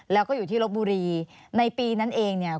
แล้วก็อยู่ที่ลบบุรีในปีนั้นเองเนี่ย